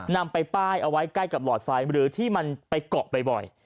นำไปป้ายเอาไว้ใกล้กับหลอดไฟหรือที่มันไปเกาะบ่อย